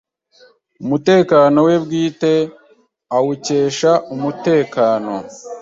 Umutekano we bwite awukesha umutekano